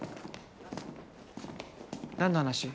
何の話？